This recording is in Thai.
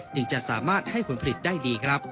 จึงจะสามารถให้ผลผลิตได้ดีครับ